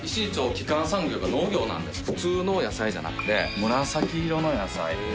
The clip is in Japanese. これは普通の野菜じゃなくて紫色の野菜。